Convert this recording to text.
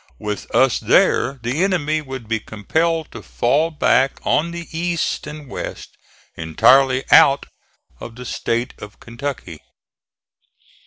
With us there, the enemy would be compelled to fall back on the east and west entirely out of the State of Kentucky.